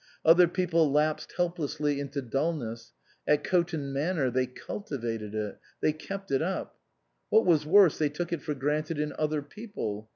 Other people lapsed helplessly into dulness ; at Coton Manor they cultivated it; they kept it up. What was worse, they took it for granted in other people.